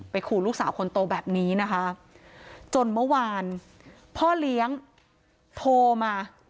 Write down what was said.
ขู่ลูกสาวคนโตแบบนี้นะคะจนเมื่อวานพ่อเลี้ยงโทรมา